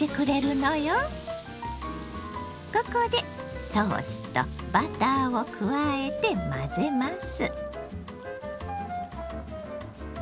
ここでソースとバターを加えて混ぜます。